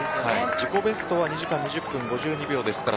自己ベストは２時間２０分５５秒ですから。